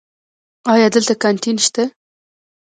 ایا دلته کانتین شته؟